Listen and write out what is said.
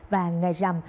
và ngày rằm